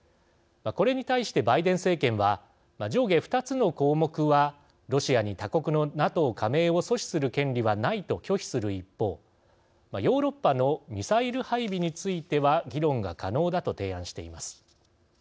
これに対して、バイデン政権は上下２つの項目はロシアに他国のＮＡＴＯ加盟を阻止する権利はないと拒否する一方、ヨーロッパのミサイル配備については議論が可能だと提案しています。